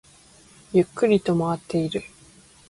ゆっくりと回っている